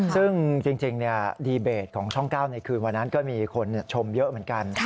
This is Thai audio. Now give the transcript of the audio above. ซึ่งจริงดีเบตของช่อง๙ในคืนวันนั้นก็มีคนชมเยอะเหมือนกัน